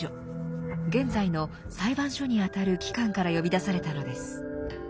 現在の裁判所にあたる機関から呼び出されたのです。